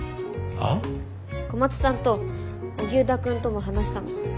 小松さんと荻生田くんとも話したの。